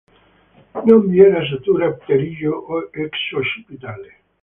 Non vi era sutura pterigo-exoccipitale.